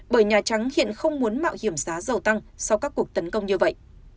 bởi nhà trắng hiện không muốn mạo hiểm giá dầu tăng sau các cuộc tấn công như vậy